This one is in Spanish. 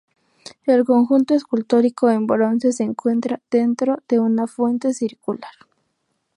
El conjunto escultórico en bronce se encuentra dentro de una fuente circular.